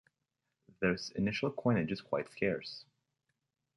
This initial coinage is quite scarce.